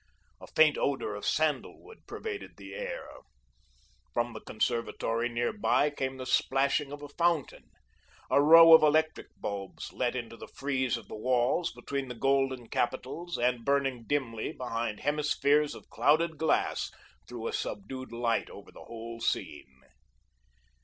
A faint odour of sandalwood pervaded the air. From the conservatory near by, came the splashing of a fountain. A row of electric bulbs let into the frieze of the walls between the golden capitals, and burning dimly behind hemispheres of clouded glass, threw a subdued light over the whole scene.